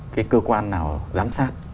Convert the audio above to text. cái cơ quan nào giám sát